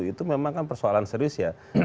itu memang kan persoalan serius ya